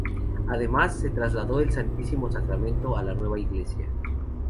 Además, se trasladó el Santísimo Sacramento a la nueva iglesia.